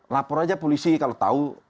lapor aja polisi kalau tahu